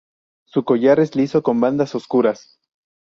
Su collar es liso con bandas oscuras.